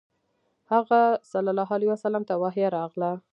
هغه ﷺ ته وحی راغله.